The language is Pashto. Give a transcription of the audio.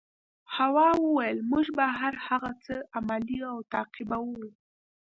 هوا وویل موږ به هر هغه څه عملي او تعقیبوو.